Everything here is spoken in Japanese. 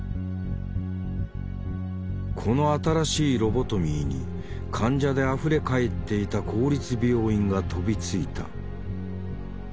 この新しいロボトミーに患者であふれ返っていた公立病院が飛びついた。